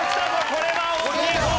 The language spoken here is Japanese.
これは大きいぞ。